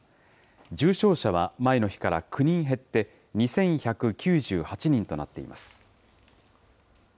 重症者は前の日から９人減って、２１９８人となっています。